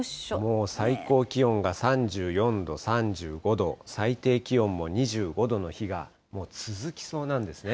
もう最高気温が３４度、３５度、最低気温も２５度の日が続きそうなんですね。